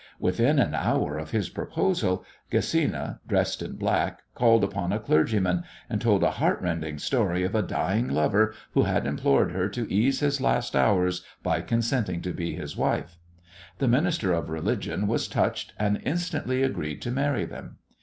Within an hour of his proposal, Gesina, dressed in black, called upon a clergyman, and told a heart rending story of a dying lover who had implored her to ease his last hours by consenting to be his wife. The minister of religion was touched, and instantly agreed to marry them.